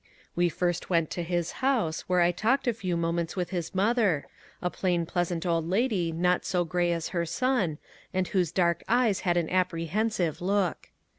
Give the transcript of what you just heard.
We first went to his house, where I talked a few mo ments with his mother, a plain pleasant old lady not so grey as her son, and whose dark eyes had an apprehensive look.